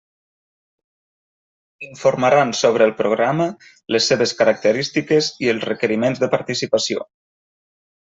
Informaran sobre el programa, les seves característiques i els requeriments de participació.